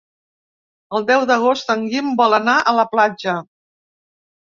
El deu d'agost en Guim vol anar a la platja.